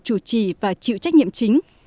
chủ trì và chịu trách nhiệm chính